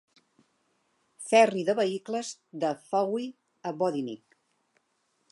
Ferri de vehicles de Fowey a Bodinnick.